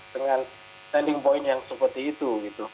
dengan standing point yang seperti itu